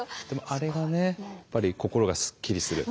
あれがねやっぱり心がすっきりする。